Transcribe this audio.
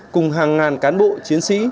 cùng hàng ngàn cán bộ chiến sĩ